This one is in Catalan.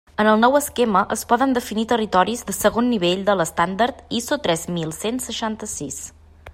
En el nou esquema es poden definir territoris de segon nivell de l'estàndard ISO tres mil cent seixanta-sis.